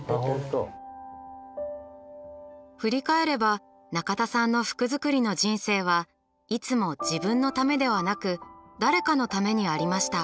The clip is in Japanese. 振り返れば中田さんの服づくりの人生はいつも自分のためではなく誰かのためにありました。